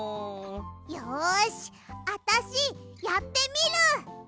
よしあたしやってみる！